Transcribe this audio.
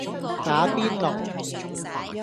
打邊爐